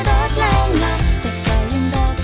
แล้วก็คงไม่รู้หรอก